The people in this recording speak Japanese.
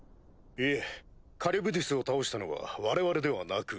いえカリュブディスを倒したのは我々ではなく。